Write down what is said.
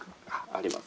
あります。